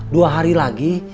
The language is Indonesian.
dua hari lagi